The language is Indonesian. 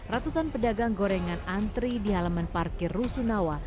ratusan pedagang gorengan antri di halaman parkir rusunawa